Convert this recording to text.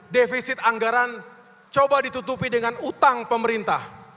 defisit anggaran coba ditutupi dengan utang pemerintah